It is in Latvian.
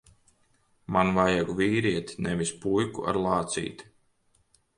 Man vajag vīrieti, nevis puiku ar lācīti.